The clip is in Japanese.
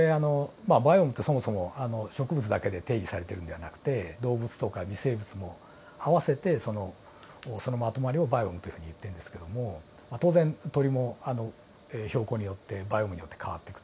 まあバイオームってそもそも植物だけで定義されているんではなくて動物とか微生物も合わせてそのまとまりをバイオームというふうにいってるんですけども当然鳥も標高によってバイオームによって変わっていくと。